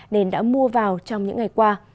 nên đã mua vào trong những ngày qua